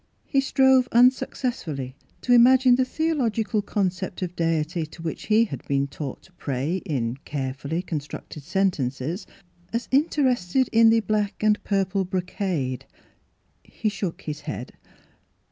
He strove un successfully to imagine the theological concept of deity to which he had been taught to pray in carefully constructed sentences, as interested in the black and purple brocade. He shook his head.